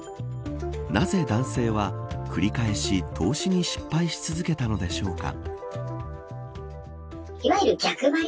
なぜ男性は繰り返し投資に失敗し続けたのでしょうか。